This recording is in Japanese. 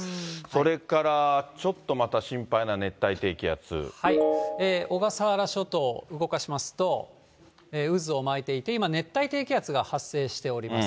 それから、ちょっとまた心配な熱小笠原諸島、動かしますと、渦を巻いていて、今、熱帯低気圧が発生しております。